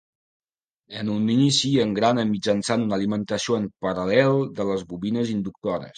En un inici engrana mitjançant una alimentació en paral·lel de les bobines inductores.